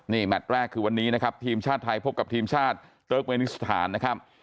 นี่แมทแรกคือวันนี้นะครับทีมชาติไทยพบกับทีมชาติเติร์กเมนิสถานนะครับ